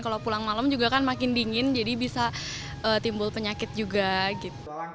kalau pulang malam juga kan makin dingin jadi bisa timbul penyakit juga gitu